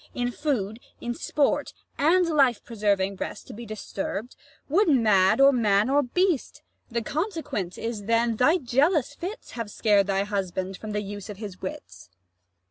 In food, in sport, and life preserving rest To be disturb'd, would mad or man or beast: The consequence is, then, thy jealous fits 85 Have scared thy husband from the use of wits. _Luc.